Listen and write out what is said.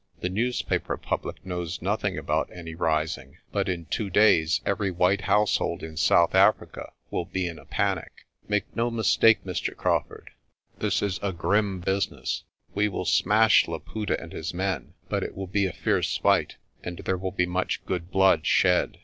The news paper public knows nothing about any rising, but in two days every white household in South Africa will be in a panic. Make no mistake, Mr. Crawfurdj this is a grim business. We shall smash Laputa and his men, but it will be a fierce fight, and there will be much good blood shed.